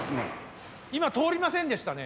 今通りませんでしたね。